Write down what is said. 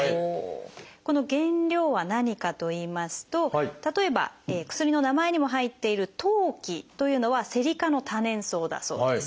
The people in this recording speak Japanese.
この原料は何かといいますと例えば薬の名前にも入っている「当帰」というのはセリ科の多年草だそうです。